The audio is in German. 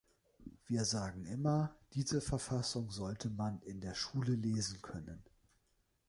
Wir sagen immer, diese Verfassung sollte man in der Schule lesen können.